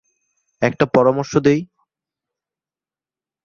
একটা পরামর্শ দেই।